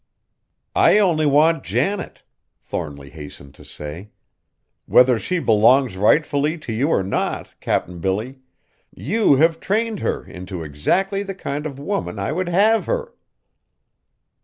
"I only want Janet," Thornly hastened to say. "Whether she belongs rightfully to you or not, Cap'n Billy, you have trained her into exactly the kind of woman I would have her!"